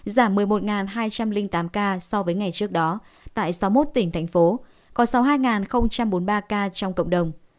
giảm một mươi một hai trăm linh tám ca so với ngày trước đó tại sáu mươi một tỉnh thành phố có sáu mươi hai bốn mươi ba ca trong cộng đồng